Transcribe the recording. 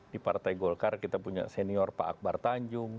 di partai golkar kita punya senior pak akbar tanjung